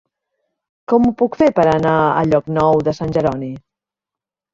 Com ho puc fer per anar a Llocnou de Sant Jeroni?